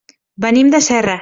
Venim de Serra.